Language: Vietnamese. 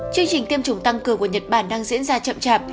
chương trình tiêm chủng tăng cường của nhật bản đang diễn ra chậm chạp